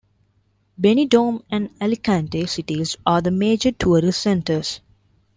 Benidorm and Alicante cities are the major tourist centres.